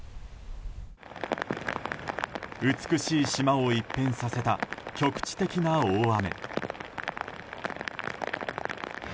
美しい島を一変させた局地的な大雨。